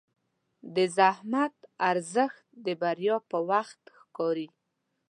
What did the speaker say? د زحمت ارزښت د بریا په وخت ښکاري.